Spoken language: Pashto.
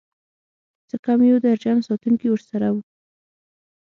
څه کم يو درجن ساتونکي ورسره وو.